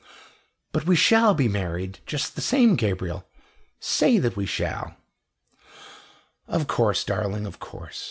"But we shall be married, just the same Gabriel! Say that we shall!" "Of course, darling of course.